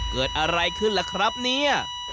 เกิดอะไรขึ้นล่ะครับเนี่ย